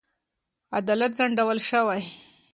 عدالت ځنډول شوی.